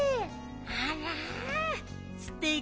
あらすてきねえ。